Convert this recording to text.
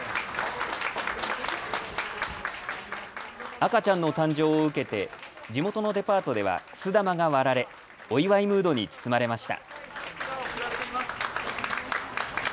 赤ちゃんの誕生を受けて地元のデパートではくす玉が割られお祝いムードに包まれました。